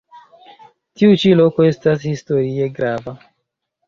Tiu ĉi loko estas historie grava.